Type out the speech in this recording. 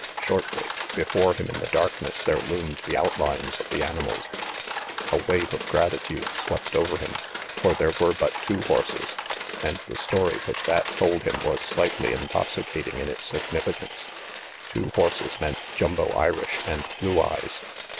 Shortly, before him in the darkness, there loomed the outlines of the animals. A wave of gratitude swept over him. For there were but the two horses, and the story which that told him was slightly intoxicating in its significance. Two horses meant Jumbo Irish and Blue Eyes.